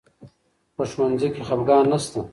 په ښوونځي کې خفګان نه شته.